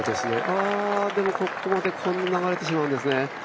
あでもここまで流れてしまうんですね。